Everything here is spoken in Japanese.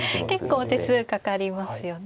結構手数かかりますよね